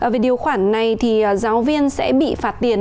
về điều khoản này thì giáo viên sẽ bị phạt tiền